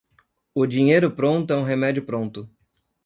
O dinheiro pronto é um remédio pronto.